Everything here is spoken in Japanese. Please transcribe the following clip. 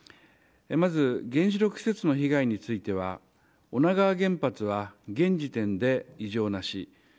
まず原子力施設の被害については女川原発は現時点で異常なし。